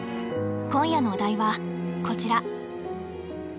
今夜のお題はこちら。